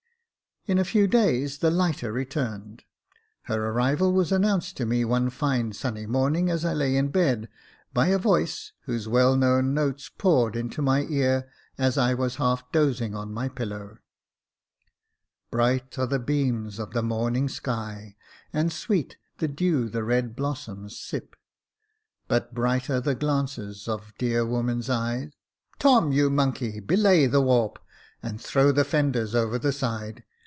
In a few days the lighter returned. Her arrival was announced to me one fine sunny morning, as I lay in bed, by a voice, whose well known notes poured into my ear, as I was half dozing on my pillow :" Bright are the beams of the morning sky, And sweet the dew the red blossoms sip, But brighter the glances of dear woman's eye —" Tom, you monkey, belay the warp, and throw the fenders over the side.